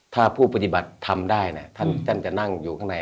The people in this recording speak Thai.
ถ้าผู้ปฏิบัติทำได้ท่านจะนั่งอยู่ข้างใน